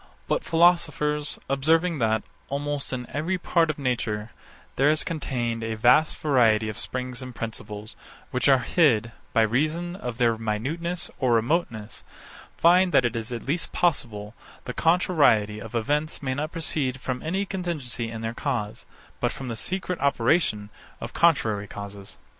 But philosophers, observing that, almost in every part of nature, there is contained a vast variety of springs and principles, which are hid, by reason of their minuteness or remoteness, find, that it is at least possible the contrariety of events may not proceed from any contingency in the cause, but from the secret operation of contrary causes.